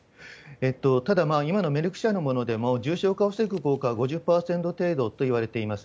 ただ、今のメルク社のものでも、重症化を防ぐ効果は５０％程度といわれています。